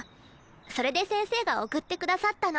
それで先生が送ってくださったの。